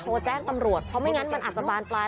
แจ้งตำรวจเพราะไม่งั้นมันอาจจะบานปลาย